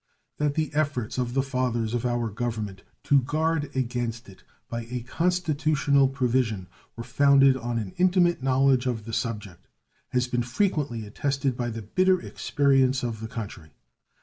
That the efforts of the fathers of our Government to guard against it by a constitutional provision were founded on an intimate knowledge of the subject has been frequently attested by the bitter experience of the country.